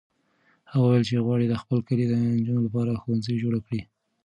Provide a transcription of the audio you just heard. هغه وویل چې غواړي د خپل کلي د نجونو لپاره ښوونځی جوړ کړي.